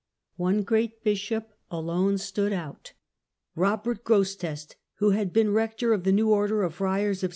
One great bishop alone stood Robert out. Robert Grosseteste, who had been Gro»»ete8te. rector of the new order of friars of S.